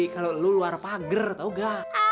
kalau lu luar pager tau gak